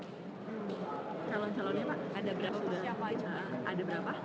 calon calonnya pak ada berapa